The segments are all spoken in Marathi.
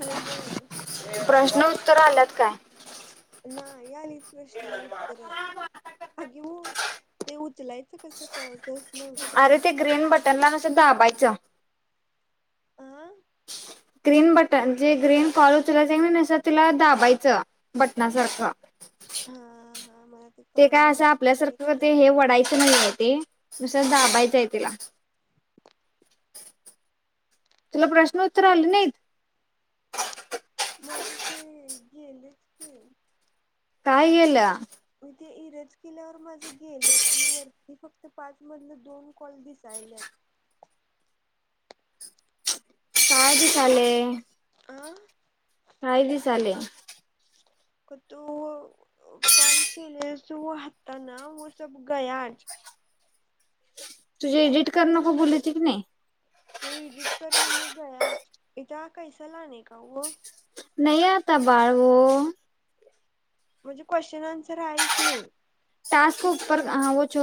हॅलो प्रश्न उत्तर आल्यात काय? नाही आलीत प्रश्न उत्तर अगं ते उचलायचं कसं कळतं अरे ते ग्रीन बटनला नुसतं दाबायचं. आं ग्रीन बटन जे ग्रीन कॉल तुला सग नुसतं तुला दाबायचं बटनासारखं हा हा मला ते कळलं काय असं नंतर मी आपल्यासारखं ते त्याला हे साईड वडायचं नाही कराल आहे ते तसं दाबायचं आहे त्याला तुला प्रश्न उत्तर आले नाहीत? माझं ते गेलेच की काय गेलं? मी ते इरज केल्यावर माझं गेलंच आणि वरती फक्त पाच मधलं दोन कॉल दिसायल्यात. काय दिसाले? अं काय दिसाले? तू कॉल केलेला व हता ना व सब गयाच तुझी एडिट करणं का बोलची की नाही व एडिट कर म गया इता कैसा लाने का व नाहीय आता बाळव म्हणजे क्वेश्चन आन्सर आहेश नाही टास्क उपर हवच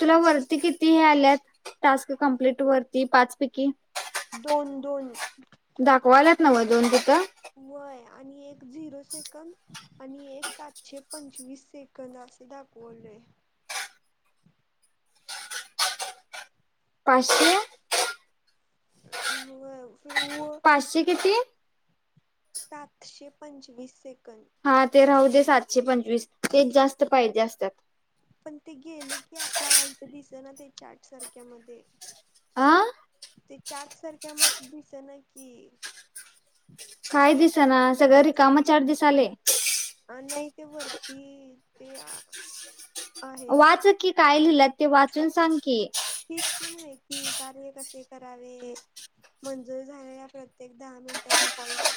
तुला वरती किती हे आल्यात टास्क कंप्लीट वरती पाच पैकी दोन दोन दाखवायलात ना म दोन तिथं व्हयं आणि एक झिरो सेकंद आणि एक सातशे पंचवीस सेकंद कना असं दाखवले. पाचशे व फिर व पाचशे किती सातशे पंचवीस सेकंद हा ते राहू दे सातशे पंचवीस तेच जास्त पाहिजे असतात पण ते गेलं की आता इथं दिस ना त्याच्या आठ सारख्या म आह ते चाट सारख्या मग दिस ना की काय दिस ना सगळ र कामा चार दिस आले ह नाही ते वरती ते आहे वाचक की काय लिहिलं ते वाचून सांग की किच कि माहिती कार्य कसे करावे मंजूर झालेल्या प्रत्येक दहा मिनिटाच्या कॉल सा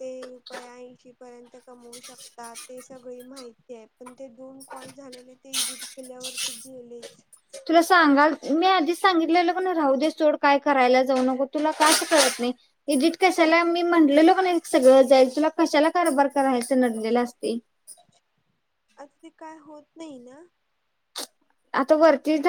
ते रुपयया ऐंशी पर्यंत कमवू शकताात ते सगळी माहिती आहे पण ते दोन कॉल झालेले ते इडिट केल्यावर ते गेलेच तुला सांगाल मी आधीच सांगितलं की नाही राहु देे सोड काय करायला जाऊ नको तुला का कळत नाही. एडिट कशाला मी म्हटलेलो क नाही सगळं जाईल तुला कशाला कारभार करायचं नडलेलं असते असे काय होत नाही ना आता वरती झा